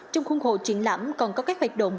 trong khuôn khổ triển lãm còn có các hoạt động